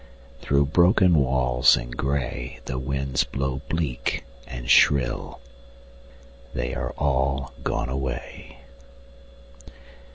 Through broken walls and gray The winds blow bleak and shrill: They are all gone away.